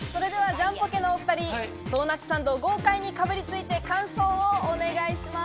ジャンポケのお２人ドーナツサンド豪快にかぶり付いて感想をお願いします。